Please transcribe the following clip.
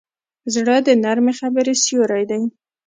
زړه د نرمې خبرې سیوری دی.